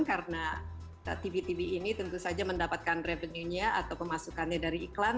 karena tv tv ini tentu saja mendapatkan revenue nya atau pemasukannya dari iklan